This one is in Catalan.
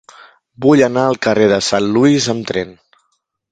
Vull anar al carrer de Saint Louis amb tren.